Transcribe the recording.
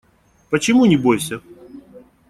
Почему не бойся?